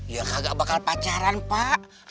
ya gak bakal pacaran pak